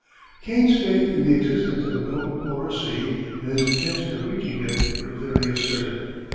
Kane's faith in the existence of an open polar sea and his intention of reaching it were clearly asserted.